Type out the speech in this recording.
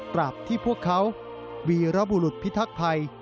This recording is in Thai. ที่พวกเขาวีรบุรุษพิทักษภัย